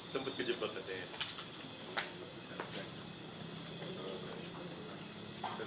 sempet kecepatan ya